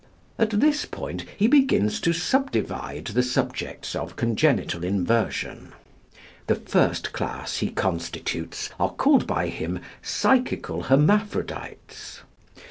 At this point he begins to subdivide the subjects of congenital inversion. The first class he constitutes are called by him "Psychical Hermaphrodites."